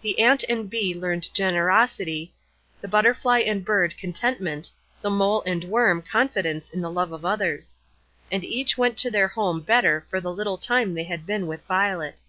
The ant and bee learned generosity, the butterfly and bird contentment, the mole and worm confidence in the love of others; and each went to their home better for the little time they had been with Violet.